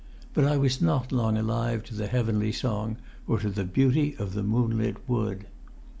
But I was not long alive to the heavenly song, or to the beauty of the moonlit wood.